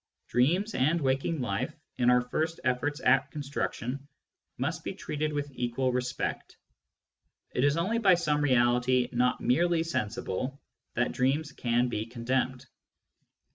Dreams and waking life, in our first efforts at construction, must be treated with equal respect ; it is only by some reality not merely sensible that dreams can be condemned.